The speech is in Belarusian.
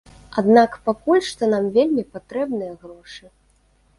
Аднак пакуль што нам вельмі патрэбныя грошы.